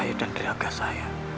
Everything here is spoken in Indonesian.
joconda itu membaru